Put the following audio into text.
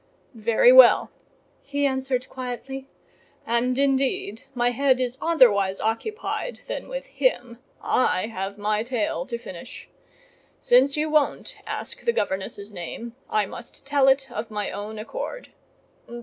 "Very well," he answered quietly: "and indeed my head is otherwise occupied than with him: I have my tale to finish. Since you won't ask the governess's name, I must tell it of my own accord.